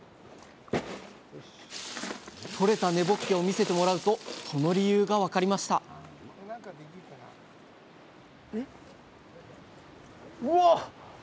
とれた根ぼっけを見せてもらうとその理由が分かりましたうわっ！